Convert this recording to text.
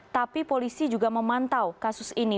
tapi polisi juga memantau kasus ini